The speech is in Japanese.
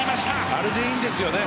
あれでいいんですよね。